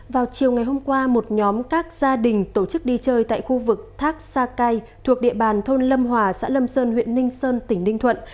vào chiều ngày hôm qua một nhóm các gia đình tổ chức đi chơi tại khu vực thác sa cai thuộc địa bàn thôn lâm hòa xã lâm sơn huyện ninh sơn tỉnh ninh thuận